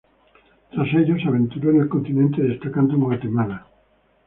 Tras ello, se aventuró en el continente, destacando en Guatemala.